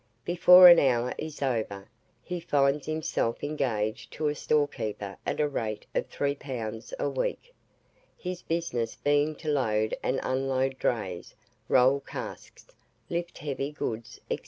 Before an hour is over, he finds himself engaged to a storekeeper at a rate of three pounds a week; his business being to load and unload drays, roll casks, lift heavy goods, &c.